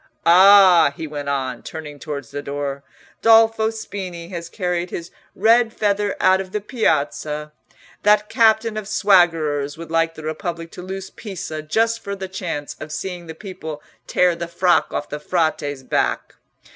Ah!" he went on, turning towards the door, "Dolfo Spini has carried his red feather out of the Piazza. That captain of swaggerers would like the Republic to lose Pisa just for the chance of seeing the people tear the frock off the Frate's back.